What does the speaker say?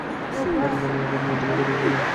কারণ আমি আবার মদের মধ্যে ডুবে গেলাম।